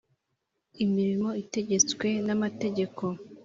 Imirimo itegetswe n ‘amategeko .